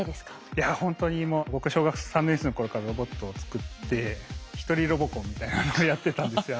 いやほんとにもう僕小学３年生の頃からロボットを作って一人ロボコンみたいなのをやってたんですよ。